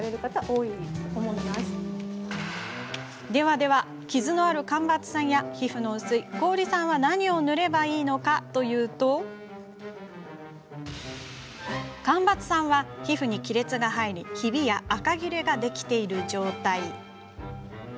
では、傷のある干ばつさんや皮膚の薄い氷さんは何を塗ればいいのかというと干ばつさんは皮膚に亀裂が入りひびやあかぎれができている状態。